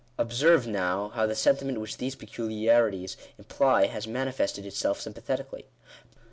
Observe, now, how the sentiment which these peculiarities imply has manifested itself sympathetically.